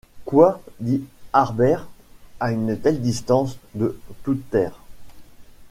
Quoi, dit Harbert, à une telle distance de toute terre?